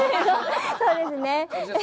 そうですね。